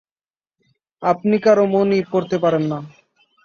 আপনি কারো মনই পড়তে পারেন না।